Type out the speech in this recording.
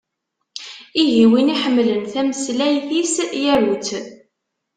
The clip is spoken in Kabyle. Ihi, win iḥemmlen tameslayt-is yaru-tt!